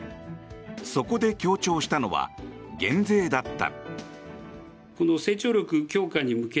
そこで強調したのは減税だった。